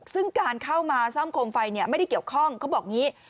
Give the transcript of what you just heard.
ซึ่งการเข้ามาซ่อมโคมไฟไม่ได้เกี่ยวข้องเขาบอกอย่างนี้